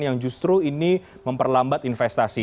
yang justru ini memperlambat investasi